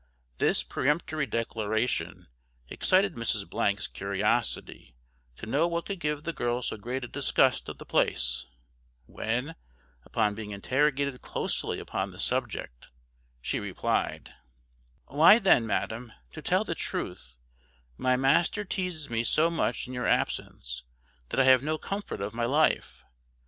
This peremptory declaration excited Mrs 's curiosity to know what could give the girl so great a disgust of the place, when, upon being interrogated closely upon the subject, she replied, "Why then, Madam, to tell the truth, my master teazes me so much in your absence that I have no comfort of my life.